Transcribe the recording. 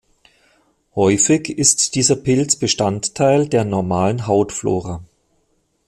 Häufig ist dieser Pilz Bestandteil der normalen Hautflora.